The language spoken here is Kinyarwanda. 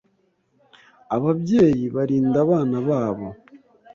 Ababyeyi barinda abana babo.